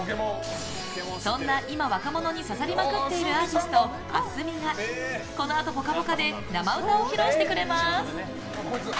そんな今、若者に刺さりまくっているアーティスト、ａｓｍｉがこのあと「ぽかぽか」で生歌を披露してくれます。